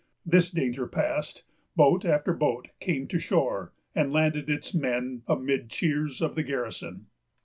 This danger passed, boat after boat came to shore, and landed its men amid the cheers of the garrison.